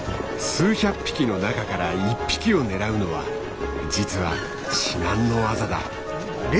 数百匹の中から１匹を狙うのは実は至難の業だ。